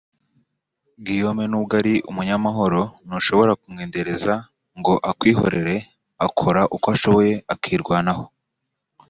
Guillaume nubwo ari umunyamahoro ntushobora kumwendereza ngo akwihorere akora uko ashoboye akirwanaho